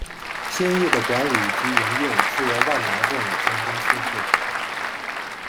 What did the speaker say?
新翼的管理及营运是由万达镇有限公司负责。